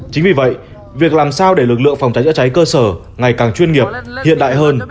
chính vì vậy việc làm sao để lực lượng phòng cháy chữa cháy cơ sở ngày càng chuyên nghiệp hiện đại hơn